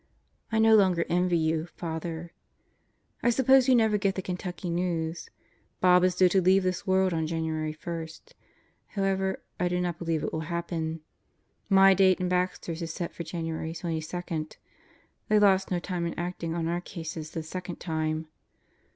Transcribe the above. I no longer envy you, Father. I suppose you never get the Kentucky news. Bob is due to leave this world January 1. However, I do not believe it will happen. My date and Baxter's is set for January 22. They lost no time in acting on our cases this second time.